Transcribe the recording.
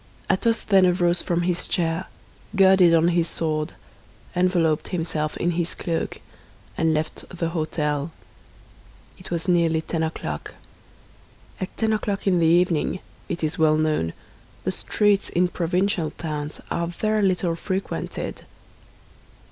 Athos then arose from his chair, girded on his sword, enveloped himself in his cloak, and left the hôtel. It was nearly ten o'clock. At ten o'clock in the evening, it is well known, the streets in provincial towns are very little frequented.